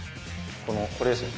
このこれですね